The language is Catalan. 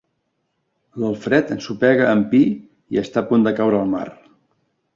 L'Alfred ensopega amb Pi i està a punt de caure al mar.